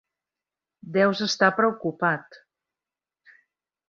Deus estar preocupat.